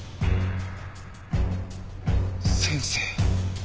先生。